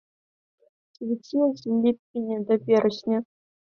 Цвіце з ліпеня да верасня.